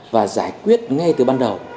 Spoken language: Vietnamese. và giải quyết ngay từ ban đầu